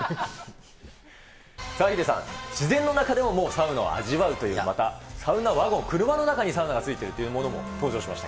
ヒデさん、自然の中でももうサウナを味わうという、また、サウナワゴン、車の中にサウナが付いているというものも登場しました。